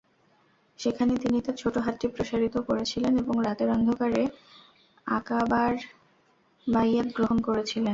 সেখানে তিনি তাঁর ছোট হাতটি প্রসারিত করেছিলেন এবং রাতের অন্ধকারে আকাবার বাইয়াত গ্রহণ করেছিলেন।